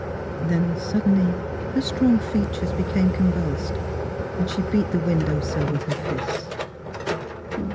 " Then suddenly her strong features be came convlused, and she beat the window sill with her fists.